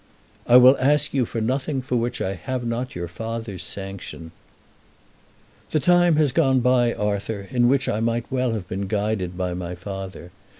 "I will ask you for nothing for which I have not your father's sanction." "The time has gone by, Arthur, in which I might well have been guided by my father.